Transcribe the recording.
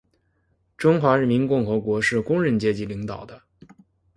中华人民共和国是工人阶级领导的